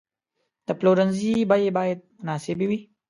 د پلورنځي بیې باید مناسبې وي.